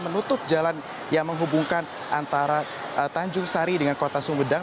menutup jalan yang menghubungkan antara tanjung sari dengan kota sumedang